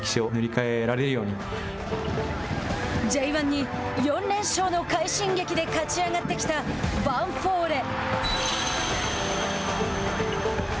Ｊ１に４連勝の快進撃で勝ち上がってきたヴァンフォーレ。